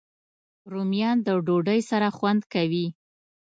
رومیان د ډوډۍ سره خوند کوي